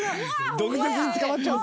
毒舌に捕まっちゃうぞ！